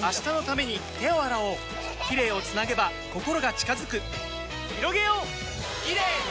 明日のために手を洗おうキレイをつなげば心が近づくひろげようキレイの輪！